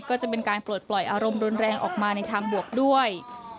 ก็จะเป็นการปลดปล่อยอารมณ์รุนแรงออกมาในทางบวกด้วย